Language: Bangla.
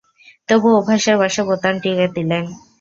তবু অভ্যাসের বসে বোতাম টিপে দিলেন।